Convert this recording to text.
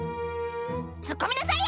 ツッコみなさいよ！